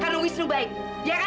karena wisnu baik ya kan